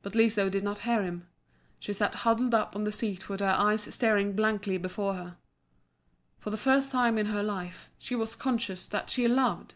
But Liso did not hear him she sat huddled up on the seat with her eyes staring blankly before her. For the first time in her life she was conscious that she loved!